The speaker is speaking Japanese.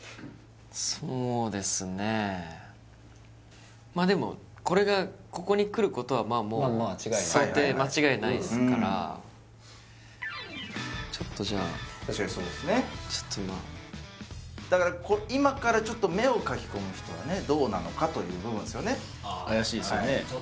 そうですねまあでもこれがここにくることはまあもう想定間違いないですからちょっとじゃあ確かにそうですねちょっとまあだから今からちょっと目を描き込む人はねどうなのかという部分すよね怪しいっすよね